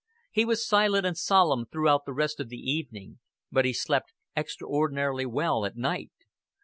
He was silent and solemn throughout the rest of the evening; but he slept extraordinarily well at night.